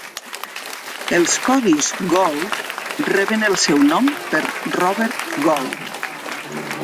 Els codis Gold reben el seu nom per Robert Gold.